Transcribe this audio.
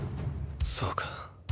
そうか。